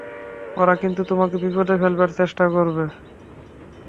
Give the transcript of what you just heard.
ওরা কিন্তু তোমাকে বিপদে ফেলবার চেষ্টা করবে।